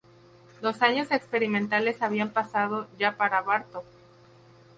Los años experimentales habían pasado ya para Bartok.